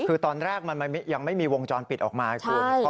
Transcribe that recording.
คือตอนแรกมันยังไม่มีวงจรปิดออกมาไงคุณ